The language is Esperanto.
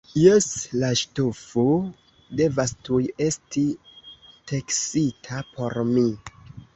Jes, la ŝtofo devas tuj esti teksita por mi!